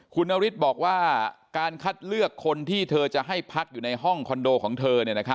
คุณนฤทธิ์บอกว่าการคัดเลือกคนที่เธอจะให้พักอยู่ในห้องคอนโดของเธอ